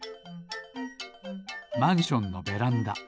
マンションのベランダ。